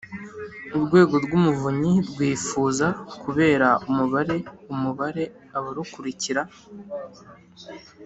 Urwego rw Umuvunyi rwifuza kubera umubare umubare abarukurikira